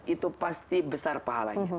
itu pasti besar pahalanya